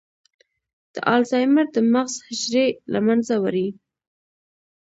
د الزایمر د مغز حجرې له منځه وړي.